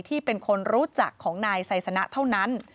ที่เป็นคนรู้จักของนายไซสนะเท่านั้น